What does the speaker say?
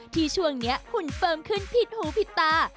ที่ช่วงนี้หุ่นเฟิร์มขึ้นผิดหูผิดตา